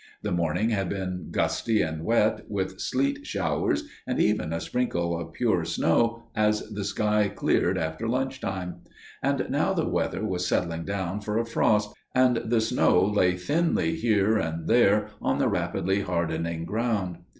The morning had been gusty and wet, with sleet showers and even a sprinkle of pure snow as the sky cleared after lunch time; and now the weather was settling down for a frost, and the snow lay thinly here and there on the rapidly hardening ground.